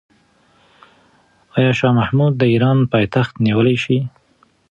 آیا شاه محمود د ایران پایتخت نیولی شي؟